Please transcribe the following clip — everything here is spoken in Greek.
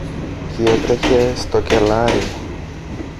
κι έτρεχε στο κελάρι.